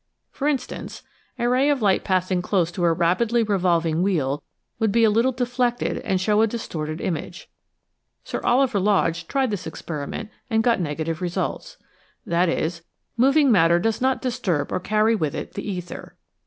For instance, a ray of light pass ing close to a rapidly revolving wheel would be a little deflected and show a distorted image. Sir Oliver Lodge tried this experiment and got negative results. That is, moving matter does not disturb or carry with it the ether.